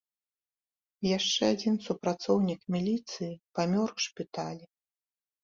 Яшчэ адзін супрацоўнік міліцыі памёр у шпіталі.